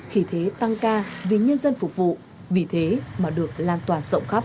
khi thế tăng ca vì nhân dân phục vụ vì thế mà được lan tỏa rộng khắp